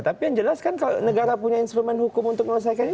tapi yang jelas kan kalau negara punya instrumen hukum untuk melesaikan ini